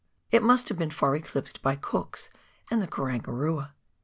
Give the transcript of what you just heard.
It must have been far eclipsed by Cook's and the Karangarua."